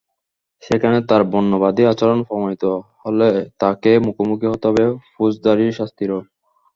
সেখানে তাঁর বর্ণবাদী আচরণ প্রমাণিত হলে তাঁকে মুখোমুখি হতে হবে ফৌজদারি শাস্তিরও।